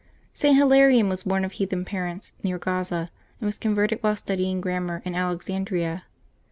St. Hilarion was born of heathen parents, near Gaza, and was converted while studying grammar in Alexandria.